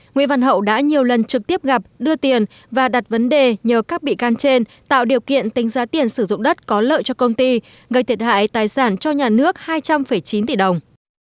nguyễn văn hậu đã nhiều lần trực tiếp gặp đưa tiền và đặt vấn đề nhờ các bị can trên tạo điều kiện tính giá tiền sử dụng đất có lợi cho công ty gây thiệt hại tài sản cho nhà nước hai trăm linh chín tỷ đồng